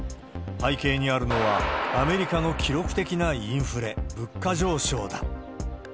背景にあるのは、アメリカの記録的なインフレ・物価上昇だ。